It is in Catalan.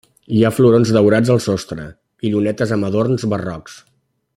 Hi ha florons daurats al sostre i llunetes amb adorns barrocs.